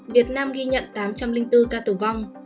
việt nam ghi nhận tám trăm linh bốn ca tử vong